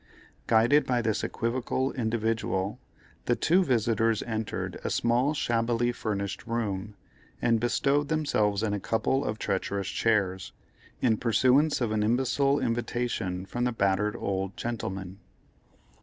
Guided by this equivocal individual the two visitors entered a small shabbily furnished room, and bestowed themselves in a couple of treacherous chairs, in pursuance of an imbecile invitation from the battered old gentleman.